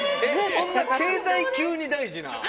そんな携帯級に大事な？